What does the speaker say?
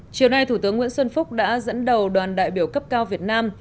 chiều nay thủ tướng nguyễn xuân phúc đã dẫn đầu đoàn đại biểu cấp cao việt nam